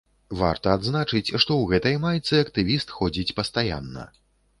Варта адзначыць, што ў гэтай майцы актывіст ходзіць пастаянна.